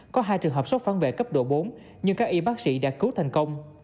có hai trường hợp sốc phản vệ cấp độ bốn nhưng các y bác sĩ đã cứu thành công